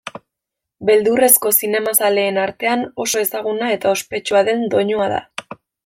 Beldurrezko zinemazaleen artean oso ezaguna eta ospetsua den doinua da.